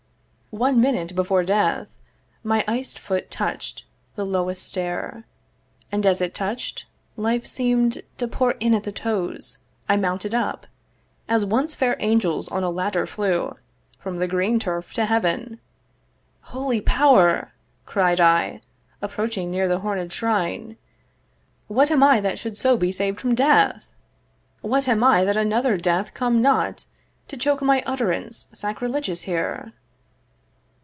One minute before death, my iced foot touch'd The lowest stair; and as it touch'd, life seem'd To pour in at the toes: I mounted up, As once fair angels on a ladder flew From the green turf to Heaven. 'Holy Power,' Cried I, approaching near the horned shrine, 'What am I that should so be saved from death? 'What am I that another death come not 'To choke my utterance sacrilegious here?'